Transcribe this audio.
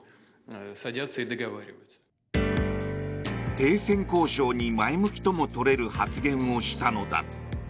停戦交渉に前向きともとれる発言をしたのだ。